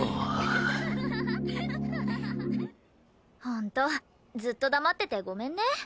本当ずっと黙っててごめんね。